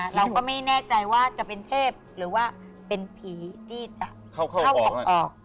เราก็ไม่แน่ใจว่าจะเป็นเทพหรือว่าเป็นผีที่จะเข้าออก